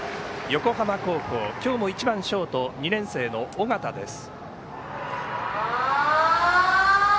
横浜高校、今日も１番ショート２年生の緒方です。